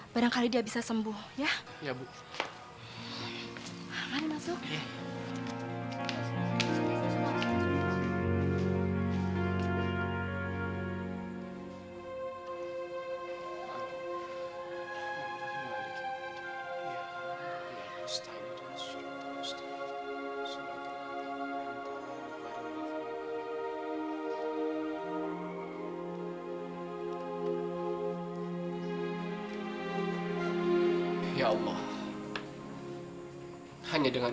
barangkali dia bisa sembuh ya